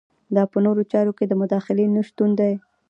دا په نورو چارو کې د مداخلې نشتون دی.